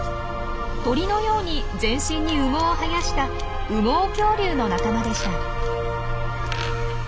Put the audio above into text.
鳥のように全身に羽毛を生やした羽毛恐竜の仲間でした。